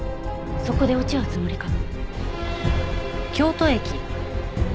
そこで落ち合うつもりかも。